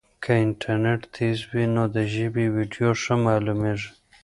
که انټرنیټ تېز وي نو د ژبې ویډیو ښه معلومېږي.